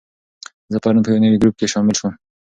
زه پرون په یو نوي ګروپ کې شامل شوم.